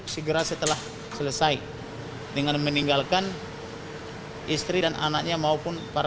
segera setelah selesai dengan meninggalkan istri dan anaknya maupun para